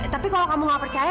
tapi kalau kamu gak percaya